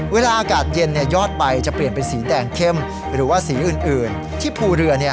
เวลาอากาศเย็นเนี้ยยอดไปจะเปลี่ยนเป็นสีแดงเข้มหรือว่าสีอื่นอื่นที่ภูเรือเนี้ย